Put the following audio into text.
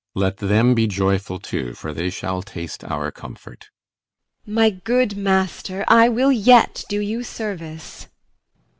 Let them be joyful too, For they shall taste our comfort. IMOGEN. My good master, I will yet do you service.